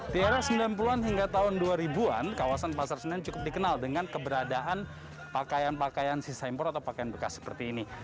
di era sembilan puluh an hingga tahun dua ribu an kawasan pasar senen cukup dikenal dengan keberadaan pakaian pakaian sisa impor atau pakaian bekas seperti ini